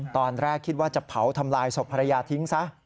ตอนแรกคิดว่าจะเผาทำลายศพภรรยาทิ้งซะ